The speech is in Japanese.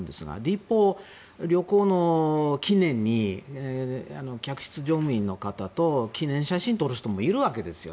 一方、旅行の記念に客室乗務員の方と記念写真を撮る人もいるわけですよ。